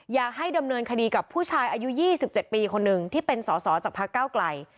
อยากให้ดำเนินคดีกับผู้ชายอายุ๒๗ปีคนหนึ่งที่เป็นสอสอจากพักเก้าไกล